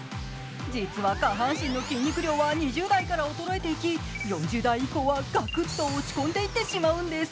実は、下半身の筋肉量は２０代から衰えていき、４０代以降は、がくっと落ち込んでいってしまうんです。